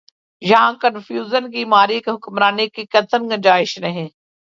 یہاں کنفیوژن کی ماری حکمرانی کی قطعا گنجائش نہیں۔